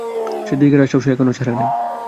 সেদিকের আশাও সে এখনও ছাড়ে নাই।